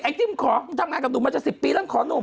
จิ้มขอทำงานกับหนุ่มมาจะ๑๐ปีแล้วขอหนุ่ม